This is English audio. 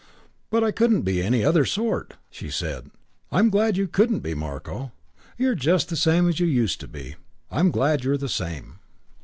"But I couldn't be any other sort." She said, "I'm glad you couldn't be, Marko. You're just the same as you used to be. I'm glad you're the same."